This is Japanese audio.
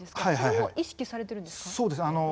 それも意識されてるんですか？